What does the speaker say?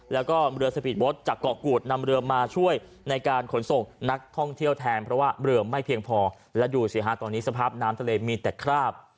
แล้วก็เรือสปีดโบ๊ทจากเกาะกูดนำเรือมาช่วยในการขนส่งนักท่องเที่ยวแทนเพราะว่าเรือไม่เพียงพอและดูสิฮะตอนนี้สภาพน้ำทะเลมีแต่คราบ